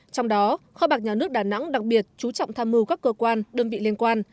trong đó kho bạc nhà nước đà nẵng đặc biệt chú trọng tham mưu các cơ quan đơn vị liên quan